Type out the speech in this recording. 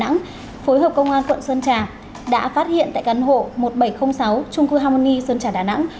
tổ công tác phối hợp công an tp sơn trà đã phát hiện tại căn hộ một nghìn bảy trăm linh sáu chung cư harmony sơn trà đà nẵng